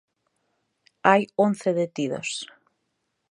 Hai once detidos.